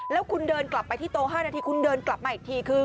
แล้วคุณเดินกลับไปที่โต๕นาทีคุณเดินกลับมาอีกทีคือ